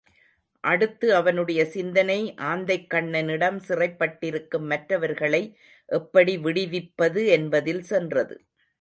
அடுத்து அவனுடைய சிந்தனை ஆந்தைக்கண்ணனிடம் சிறைப்பட்டிருக்கும் மற்றவர்களை எப்படி விடுவிப்பது என்பதில் சென்றது.